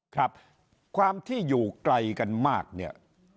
ครับความที่อยู่ไกลกันมากเนี่ย